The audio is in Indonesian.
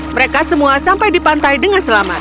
mereka semua sampai di pantai dengan selamat